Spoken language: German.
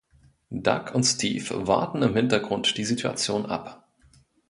Doug und Steve warten im Hintergrund die Situation ab.